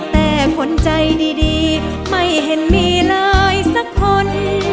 แต่คนใจดีไม่เห็นมีเลยสักคน